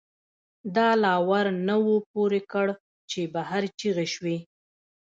دَ لا ور نه وو پورې کړ، چې بهر چغې شوې